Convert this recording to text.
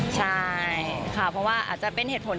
ใช่ค่ะเพราะว่าอาจจะเป็นเหตุผล